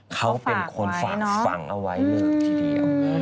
เขาเป็นคนฝากฝังเอาไว้เลยทีเดียว